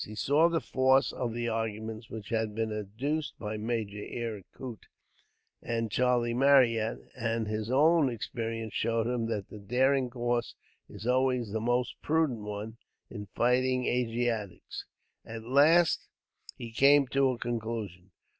He saw the force of the arguments which had been adduced by Major Eyre Coote and Charlie Marryat; and his own experience showed him that the daring course is always the most prudent one, in fighting Asiatics. At last, he came to a conclusion.